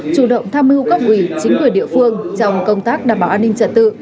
chủ động tham mưu các quỷ chính quyền địa phương trong công tác đảm bảo an ninh trật tự